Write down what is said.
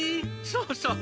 そうそう。